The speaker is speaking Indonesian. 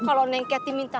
kalau neng kety minta